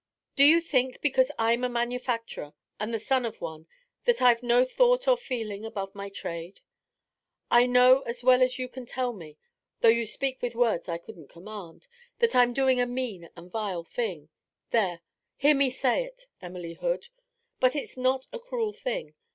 Do you think because I'm a manufacturer, and the son of one, that I've no thought or feeling above my trade? I know as well as you can tell me, though you speak with words I couldn't command, that I'm doing a mean and a vile thing there; hear me say it, Emily Hood. But it's not a cruel thing.